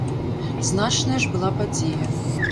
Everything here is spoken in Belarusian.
Значная ж была падзея!